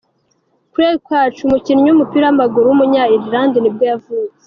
Craig Cathcart, umukinnyi w’umupira w’amaguru w’umunya Ireland nibwo yavutse.